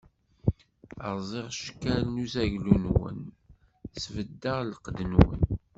Rẓiɣ cckal n uzaglu-nwen, sbeddeɣ lqedd-nwen.